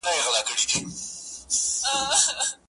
• شکر دی گراني چي زما له خاندانه نه يې.